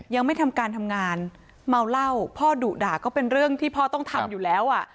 ยังไม่ทำการทำงานเมาเหล้าพ่อดุด่าก็เป็นเรื่องที่พ่อต้องทำอยู่แล้วอ่ะ